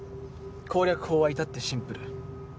攻略法は至ってシンプル。